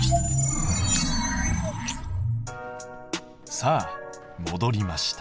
さあもどりました。